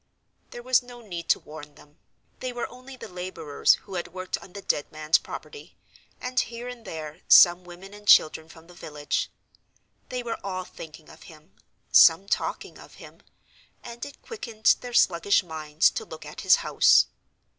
There was no need to warn them: they were only the laborers who had worked on the dead man's property, and here and there some women and children from the village. They were all thinking of him—some talking of him—and it quickened their sluggish minds to look at his house.